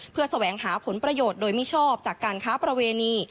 เพื่อแสวงหาผลประโยชน์โดยมิชอบจากการค้าประเวณี